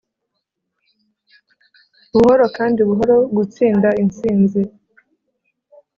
buhoro kandi buhoro gutsinda intsinzi